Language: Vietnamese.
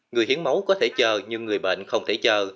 người hiến máu có thể chờ nhưng người bệnh không thể chờ